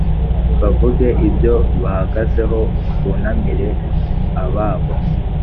bavuge ibyo bahagazeho, bunamire ababo,